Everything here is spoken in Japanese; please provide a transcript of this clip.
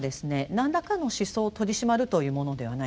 何らかの思想を取り締まるというものではない。